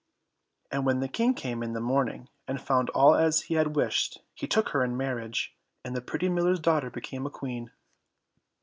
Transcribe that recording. And when the King came in the morning, and found all as he had wished, he took her in marriage, and the pretty miller's daughter became a Queen.